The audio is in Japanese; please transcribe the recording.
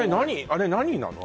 あれ何なの？